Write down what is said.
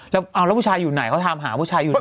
แล้วผู้ชายอยู่ไหนเขาถามหาผู้ชายอยู่ไหน